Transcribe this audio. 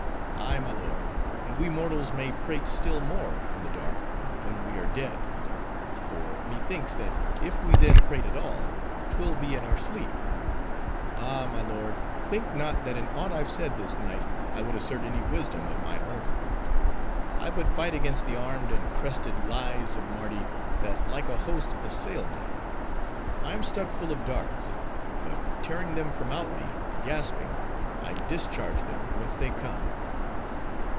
"Ay, my lord, and we mortals may prate still more in the dark, when we are dead; for methinks, that if we then prate at all, 'twill be in our sleep. Ah! my lord, think not that in aught I've said this night, I would assert any wisdom of my own. I but fight against the armed and crested Lies of Mardi, that like a host, assail me. I am stuck full of darts; but, tearing them from out me, gasping, I discharge them whence they come."